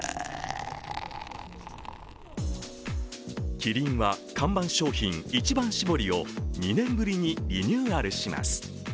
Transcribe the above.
キリンは看板商品、一番搾りを２年ぶりにリニューアルします。